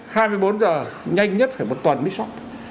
hai mươi bốn h nhanh nhất phải một tuần mới xong